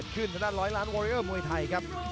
คุณผู้หญิง